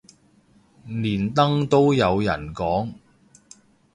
連登都有人講